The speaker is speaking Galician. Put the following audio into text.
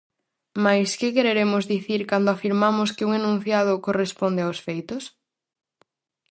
Mais, que quereremos dicir cando afirmamos que un enunciado corresponde aos feitos?